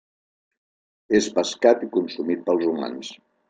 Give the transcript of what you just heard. És pescat i consumit pels humans.